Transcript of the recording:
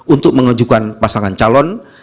untuk mengajukan pasangan calon